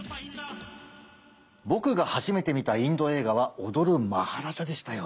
僕が初めて見たインド映画は「踊るマハラジャ」でしたよ。